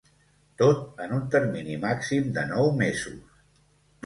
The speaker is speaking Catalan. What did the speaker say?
Tot, en un termini màxim de nou mesos.